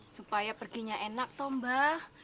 supaya perginya enak toh mbak